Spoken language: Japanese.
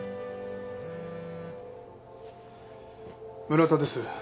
村田です。